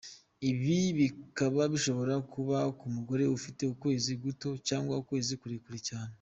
Ibi bikaba bishobora kubaho ku mugore ufite ukwezi guto cyangwa ukwezi kurekure cyane.